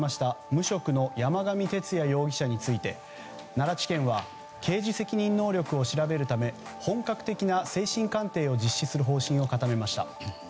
無職の山上徹也容疑者について奈良地検は刑事責任能力を調べるため本格的な精神鑑定を実施する方針を固めました。